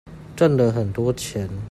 賺了很多錢